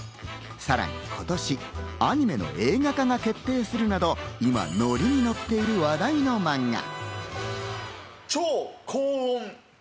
さらに今年、アニメの映画化が決定するなど、今ノリにノッている話題の漫画。